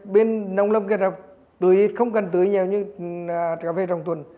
bên nông lâm kết hợp tưới không cần tưới nhiều như trồng thuần